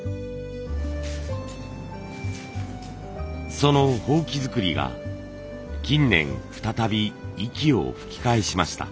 その箒作りが近年再び息を吹き返しました。